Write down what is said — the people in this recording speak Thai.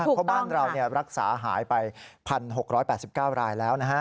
เพราะบ้านเรารักษาหายไป๑๖๘๙รายแล้วนะฮะ